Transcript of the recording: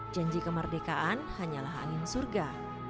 janji kemerdekaan hanyalah angin surga